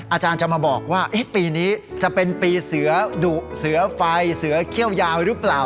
อาจารย์จะมาบอกว่าปีนี้จะเป็นปีเสือดุเสือไฟเสือเขี้ยวยาวหรือเปล่า